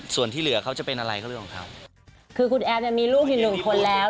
ส่วนที่เหลือเขาจะเป็นอะไรก็เรื่องของเขาคือคุณแอมเนี่ยมีลูกอยู่หนึ่งคนแล้ว